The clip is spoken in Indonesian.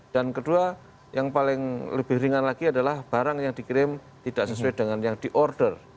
dan kedua yang paling lebih ringan lagi adalah barang yang dikirim tidak sesuai dengan yang di order